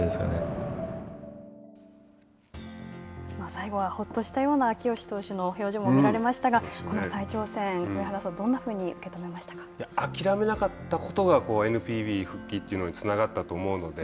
最後はホッとしたような秋吉投手の表情も見られましたがこの再挑戦を上原さんは諦めなかったことがＮＰＢ復帰というのにつながったと思うので。